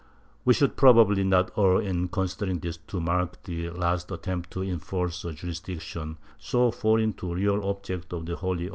^ We should probably not err in considering this to mark the last attempt to enforce a jurisdiction so foreign to the real objects of the Holy Office.